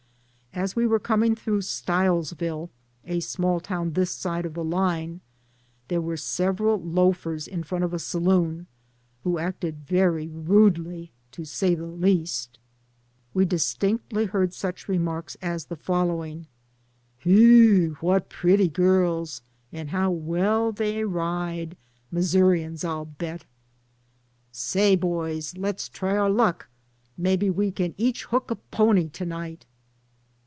As we were coming through Stilesville, a small town this side the line, there were sev eral loafers in front of a saloon who acted very rudely, to say the least. We distinctly heard such remarks as the following, "Whew, what pretty girls, and how well they ride — Missourians I'll bet." i6 DAYS ON THE ROAD. "Say, boys, let's try our luck; maybe we can each hook a pony to night?"